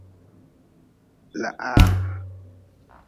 Lahaa.